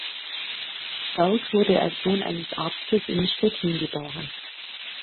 Berg wurde als Sohn eines Arztes in Stettin geboren.